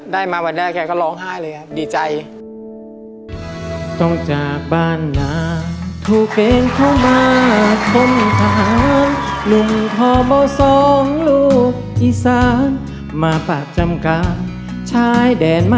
มาวันแรกแกก็ร้องไห้เลยครับดีใจ